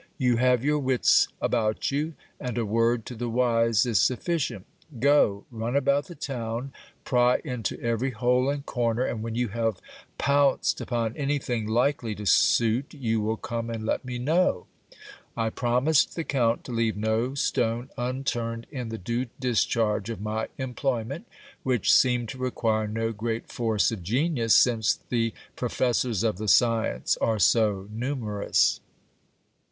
You have your wits about you ; and a word to the wise is sufficient. Go ; run about the town ; pry into every hole and corner ; and when you have pounced upon anything likely to suit, you will come and let me know. I promised the count to leave no stone unturned in the due discharge of my employment, which seemed to require no great force of genius, since the professors of the science are so numerous.